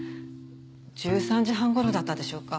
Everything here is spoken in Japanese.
１３時半頃だったでしょうか？